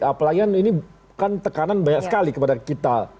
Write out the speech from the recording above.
apalagi ini kan tekanan banyak sekali kepada kita